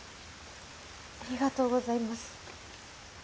ありがとうございます。